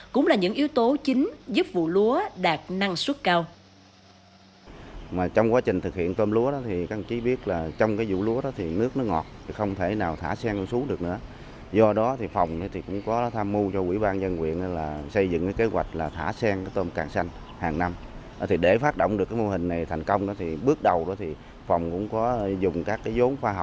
cũng là những yếu tố chính giúp vụ lúa đạt năng suất cao